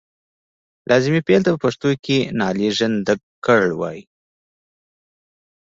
لازمي فعل ته په پښتو کې نالېږندکړ وايي.